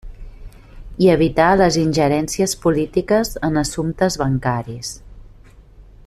I evitar les ingerències polítiques en assumptes bancaris.